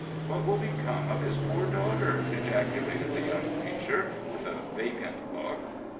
"What will become of his poor daughter?" ejaculated the young preacher, with a vacant look.